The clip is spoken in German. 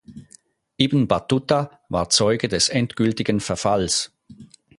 Ibn Battuta war Zeuge des endgültigen Verfalls.